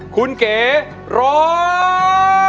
คุณเก๋ร้อง